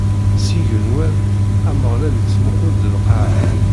Seg yigenwan, Ameɣlal ittmuqqul-d lqaɛa.